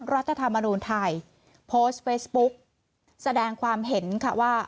รัฐธรรมนูญไทยโพสต์เฟซบุ๊กแสดงความเห็นค่ะว่า